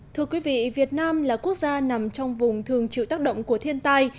thưa quý vị việt nam là quốc gia nằm trong vùng thường chịu tác động của thiên tai